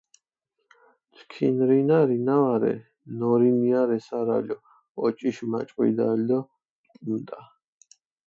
ჩქინ რინა, რინა ვარე, ნორინია რე სარალო, ოჭიშმაჭყვიდალი დო კუნტა.